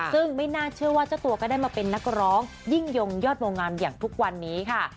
ซึ่งไม่น่าเชื่อว่าเจ้าตัวก็ได้มาเป็นนักร้องยิ่งยงยอดวงงามอย่างทุกวันนี้ค่ะ